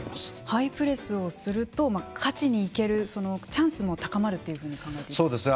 ハイプレスをすると勝ちにいけるチャンスも高まるというふうに考えていいですか。